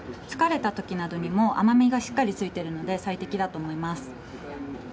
疲れた時などにも甘みがしっかりついているので最適だと思います。